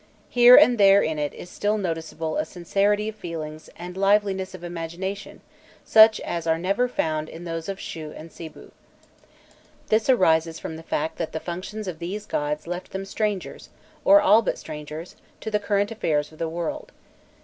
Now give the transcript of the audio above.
Here and there in it is still noticeable a sincerity of feeling and liveliness of imagination such as are never found in those of Shû and of Sibû. This arises from the fact that the functions of these gods left them strangers, or all but strangers, to the current affairs of the world.